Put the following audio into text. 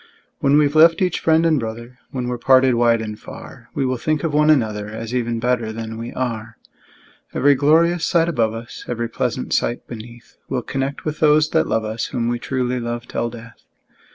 When we've left each friend and brother, When we're parted wide and far, We will think of one another, As even better than we are. Every glorious sight above us, Every pleasant sight beneath, We'll connect with those that love us, Whom we truly love till death!